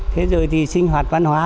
thế rồi thì sinh hoạt văn hóa